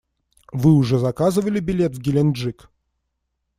Вы уже заказывали билет в Геленджик?